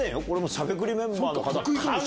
しゃべくりメンバーの方かも。